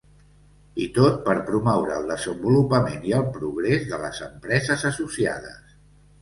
I tot, per promoure el desenvolupament i el progrés de les empreses associades.